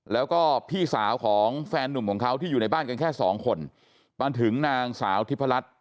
แล้วก็พี่สาวของแฟนหนุ่มของเขาที่อยู่ในบ้านกันแค่สองคนมาถึงนางสาวทิพรัช